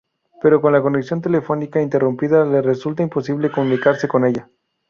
Pero con la conexión telefónica interrumpida le resulta imposible comunicarse con ella.